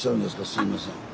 すいません。